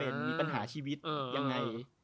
มีปัญหาชีวิตยังไง